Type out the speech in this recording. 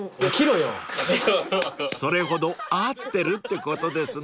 ［それほど合ってるってことですね］